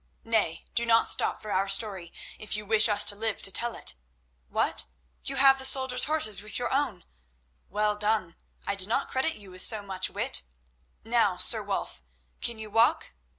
Nay, do not stop for our story, if you wish us to live to tell it. What! You have the soldiers' horses with your own? Well done! I did not credit you with so much wit. Now, Sir Wulf, can you walk?